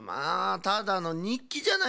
ただのにっきじゃないですか。